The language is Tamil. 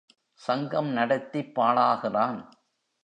சங்கம் நடத்திப் பாழாகிறான்.